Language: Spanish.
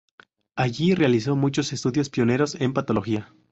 Allí, realizó muchos estudios pioneros en patología.